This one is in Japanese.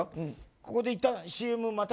ここでいったんＣＭまたぐ？